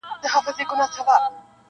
چا توپکونه چا واسکټ چا طیارې راوړي-